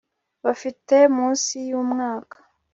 bafite munsi yu myaka